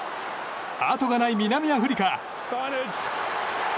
あとがない南アフリカ。